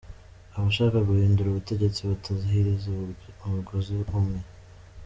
- abashaka guhindura ubutegetsi batahiriza umugozi umwe;